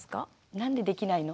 「なんでできないの？」。